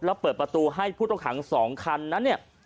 แล้วเปิดประตูให้ผู้ต้องขัง๒คันนั้นเนี่ย